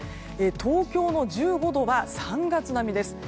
東京の１５度は３月並みです。